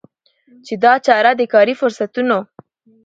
چي دا چاره د کاري فرصتونو